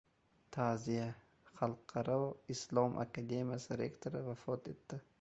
Ta’ziya: Xalqaro Islom akademiyasi rektori vafot etdi